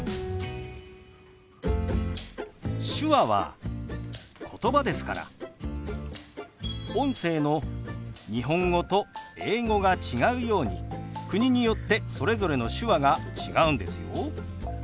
手話はことばですから音声の日本語と英語が違うように国によってそれぞれの手話が違うんですよ。